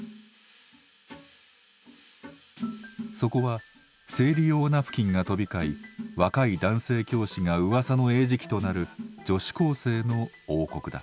そこは生理用ナプキンが飛び交い若い男性教師がうわさの餌食となる女子高生の王国だ。